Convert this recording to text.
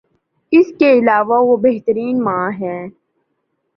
اس کے علاوہ وہ بہترین ماں ہیں